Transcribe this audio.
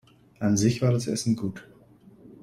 An sich war das Essen gut.